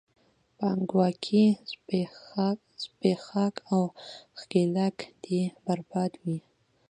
پانګواکي، زبېښاک او ښکېلاک دې برباد وي!